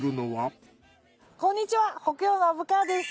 こんにちは北陽の虻川です。